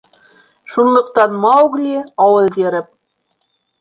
Шунлыҡтан Маугли, ауыҙ йырып: